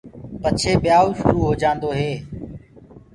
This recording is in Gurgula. پچهي ٻيايوُ شُرو هوجآندو هي۔